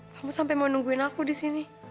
kamu sampe mau nungguin aku disini